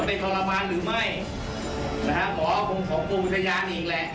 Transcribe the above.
ผมควรบังคับเขาไม่ได้แต่กลัววิทยาณ